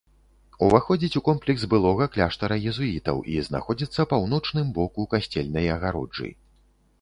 Уваходзіць у комплекс былога кляштара езуітаў і знаходзіцца паўночным боку касцельнай агароджы.